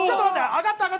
上がった！